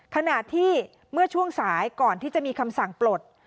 ขณะที่เมื่อช่วงสายก่อนที่จะมีคำสั่งปลด